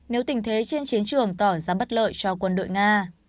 nếu tình thế trên chiến trường tỏ ra bất lợi cho quân đội nga